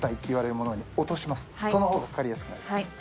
そのほうがかかりやすくなる。